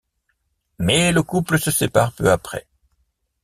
Mais le couple se sépare peu après.